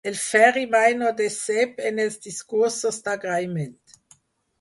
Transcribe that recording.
El Ferri mai no decep en els discursos d'agraïment.